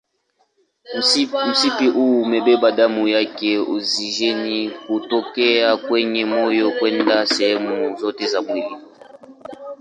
Mshipa huu hubeba damu yenye oksijeni kutoka kwenye moyo kwenda sehemu zote za mwili.